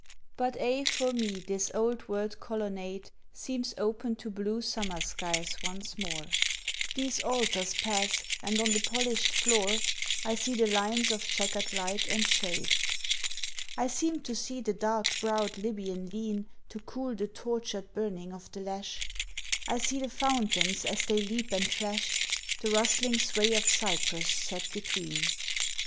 But aye for me this old word colonnade Seems open to blue summer skies once more, These altars pass, and on the polished floor I see the lines of chequered light and shade; I seem to see the dark browed Lybian lean To cool the tortured burning of the lash, I see the fountains as they leap and flash, The rustling sway of cypress set between.